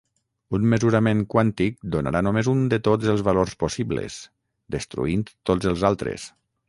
Un mesurament quàntic donarà només un de tots els valors possibles, destruint tots els altres.